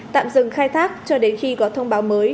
tạm dừng khai thác cho đến khi có thông báo mới